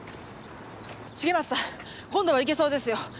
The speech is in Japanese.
重松さん今度はいけそうですよ。